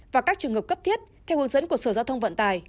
và các trường hợp cấp thiết theo hướng dẫn của sở giao thông vận tài